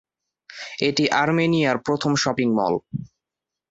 এটি আর্মেনিয়ার প্রথম শপিং মল।